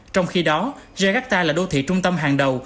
trong khi đó jakarta là đô thị trung tâm hàng đầu